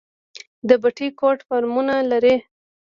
د بټي کوټ فارمونه لري